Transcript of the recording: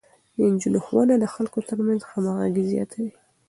د نجونو ښوونه د خلکو ترمنځ همغږي زياتوي.